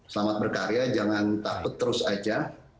selamat berkarya jangan takut terus aja